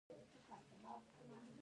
ایا زه به وکولی شم ولیکم؟